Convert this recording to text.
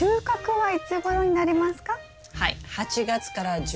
はい。